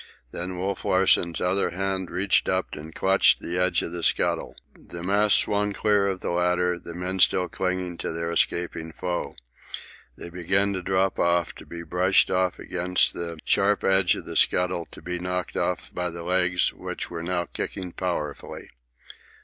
Then Wolf Larsen's other hand reached up and clutched the edge of the scuttle. The mass swung clear of the ladder, the men still clinging to their escaping foe. They began to drop off, to be brushed off against the sharp edge of the scuttle, to be knocked off by the legs which were now kicking powerfully.